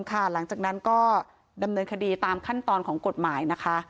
หลังจากนั้นก็ดำเนินคดีตามขั้นตอนของกฎหมายนะคะ